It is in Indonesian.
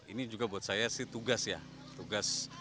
ini juga buat saya sih tugas ya